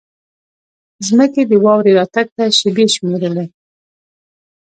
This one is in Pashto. ځمکې د واورې راتګ ته شېبې شمېرلې.